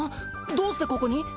どうしてここに？